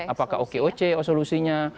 apakah okoc solusinya